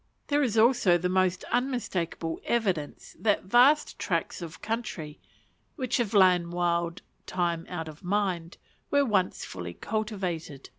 There is also the most unmistakable evidence that vast tracts of country, which have lain wild time out of mind, were once fully cultivated.